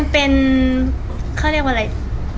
มันยัดมีจุดงานดี